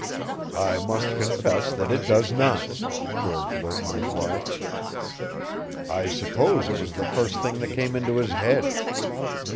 "I must confess that it does not," George Lerton replied. "I suppose it was the first thing that came into his head.